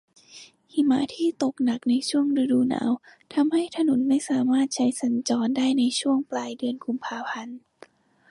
หิมะที่ตกหนักในช่วงฤดูหนาวทำให้ถนนไม่สามารถใช้สัญจรได้ในช่วงปลายเดือนกุมภาพันธ์